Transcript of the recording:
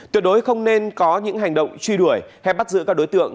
tuyệt đối không nên có những hành động truy đuổi hay bắt giữ các đối tượng